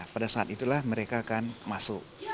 pada saat itulah mereka akan masuk